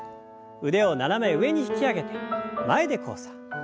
腕を斜め上に引き上げて前で交差。